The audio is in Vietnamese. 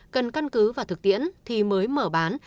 cần căn cứ vào thực tiễn thì mới mở bán